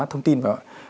thông tin và ạ